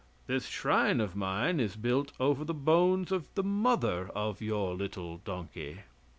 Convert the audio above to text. This shrine of mine is built over the bones of the mother of your little donkey."